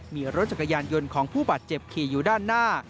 มีรถจักรยานยนต์ของผู้บาดเจ็บขี่อยู่ด้านหน้า